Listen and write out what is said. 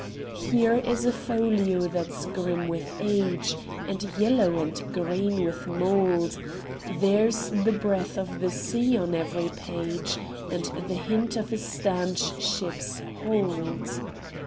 Here is a folio that's grim with age And yellow and green with mould; There's the breath of the sea on every page And the hint of a stanch ship's hold.